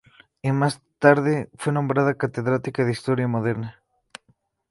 Y más tarde fue nombrada catedrática en Historia Moderna.